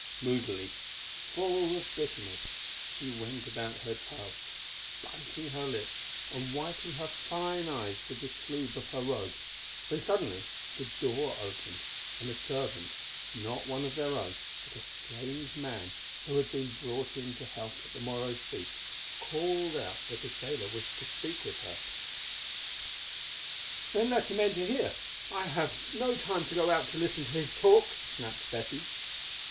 Moodily, full of bitterness, she went about her tasks, biting her lips and wiping her fine eyes with the sleeve of her robe, when suddenly the door opened, and a servant, not one of their own, but a strange man who had been brought in to help at the morrow's feast, called out that a sailor wished to speak with her. "Then let him enter here; I have no time to go out to listen to his talk," snapped Betty.